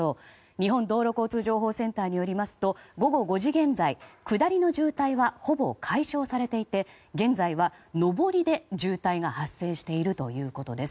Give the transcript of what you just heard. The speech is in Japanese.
日本道路交通情報センターによりますと、午後５時現在下りの渋滞はほぼ解消されていて現在は、上りで渋滞が発生しているということです。